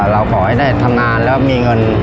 เราขอให้ได้ทำงานแล้วมีเงิน